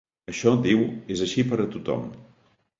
Això, diu, és així per a tothom.